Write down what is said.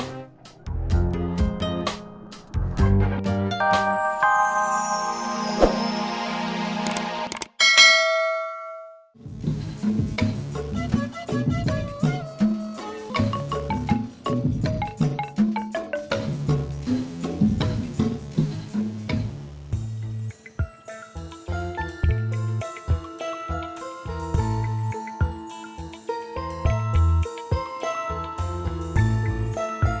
kalo gitu aku gak jadi turun